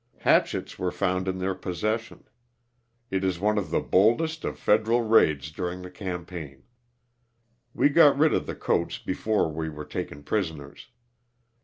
Hatchets were found in their possession. It is one of the boldest of federal raids during the cam paign." We got rid of the coats before we were taken prisoners.